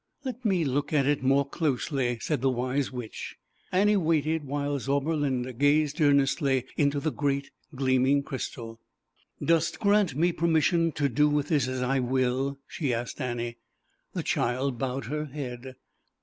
" Let me look at it more closely," said the Wise Witch. Annie waited while Zauberlinda gazed earnestly into the great gleaming Crystal. "Dost grant me permission to do with this as I will?" she asked Annie The child bowed her head.